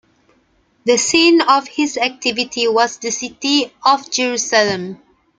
The scene of his activity was the city of Jerusalem.